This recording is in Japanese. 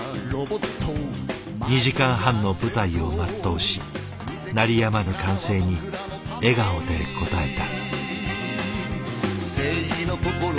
２時間半の舞台を全うし鳴りやまぬ歓声に笑顔で応えた。